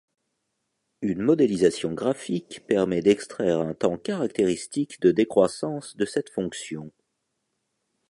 Une modélisation graphique permet d'extraire un temps caractéristique de décroissance de cette fonction.